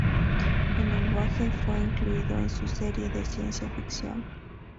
El lenguaje fue incluido en su serie de ciencia ficción.